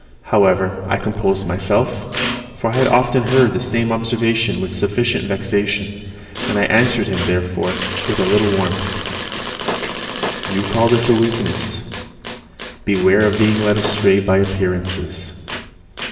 However, I composed myself, for I had often heard the same observation with sufficient vexation; and I answered him, therefore, with a little warmth, "You call this a weakness beware of being led astray by appearances.